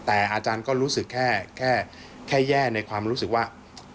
แต่อาจารย์ก็รู้สึกแค่แย่ในความรู้สึกว่า